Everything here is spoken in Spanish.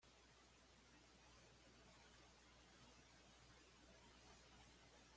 Los detalles oficiales sobre su muerte son desconocidos.